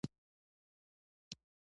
د امیر شېر علي خان وروستي مفصل لیک څخه.